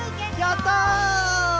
やった！